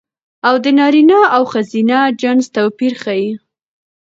او د نرينه او ښځينه جنس توپير ښيي